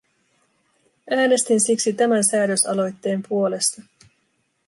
Äänestin siksi tämän säädösaloitteen puolesta.